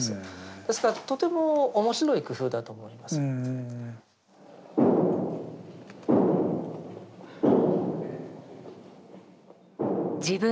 ですからとても面白い工夫だと思います。